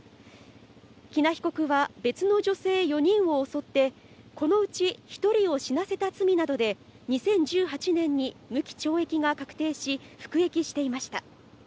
喜納被告は別の女性４人を襲って、このうち１人を死なせた罪などで、２０１８年に無期懲役が確定し、服役していました。